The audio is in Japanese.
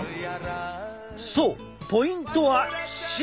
そうポイントは芯！